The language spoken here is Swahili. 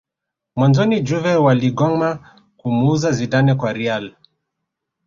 Mwanzoni juve waligoma kumuuza Zidane kwa real